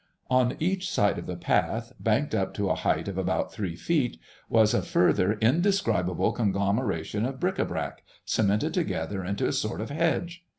On each side of the path, banked up to the height of about three feet, was a further indescribable conglomeration of bric à brac, cemented together into a sort of hedge.